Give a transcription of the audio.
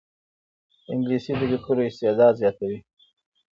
انګلیسي د لیکلو استعداد زیاتوي